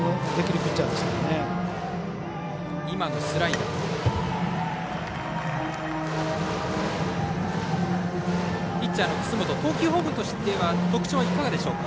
ピッチャーの楠本投球フォームとして特徴はいかがでしょうか。